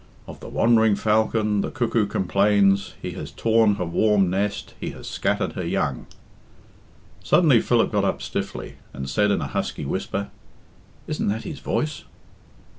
"Of the wandering falcon The cuckoo complains, He has torn her warm nest, He has scattered her young." Suddenly Philip got up stiffly, and said in a husky whisper, "Isn't that his voice?"